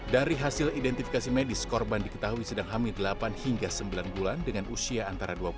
dari hasil identifikasi medis korban diketahui sedang hamil delapan hingga sembilan bulan dengan usia antara dua puluh tahun